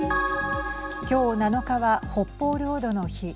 今日７日は北方領土の日。